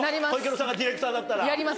さんがディレクターだったら？